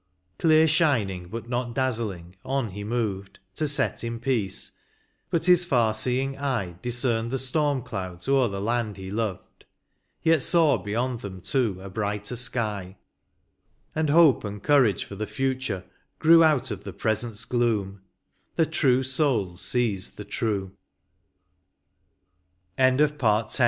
Clear shining, but not dazzling, on he moved, To set in peace ; but his far seeing eye Discerned the storm clouds o'er the land he loved, Yet saw beyond them, too, a brighter sky; And hope and courage for the future grew Out of the present s gloom : the true soul sees the tru